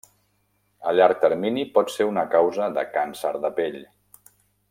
A llarg termini, pot ser una causa de càncer de pell.